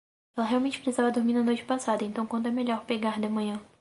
Ela realmente precisava dormir na noite passada, então quando é melhor pegar de manhã?